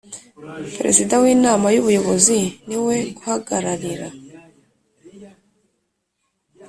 Perezida w Inama y Ubuyobozi niwe uhagararira